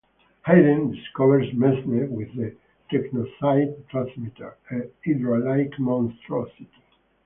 Hayden discovers Mezner with the Technocyte transmitter, a Hydra-like monstrosity.